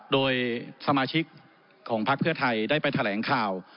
โดยสมาชิกของพักเพื่อไทยได้ไปแถลงข่าว